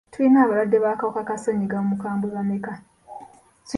Tuyina abalwadde b'akawuka ka ssenyiga omukambwe bameka?